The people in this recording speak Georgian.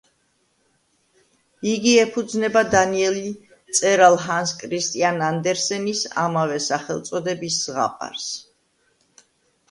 იგი ეფუძნება დანიელი მწერალ ჰანს კრისტიან ანდერსენის ამავე სახელწოდების ზღაპარს.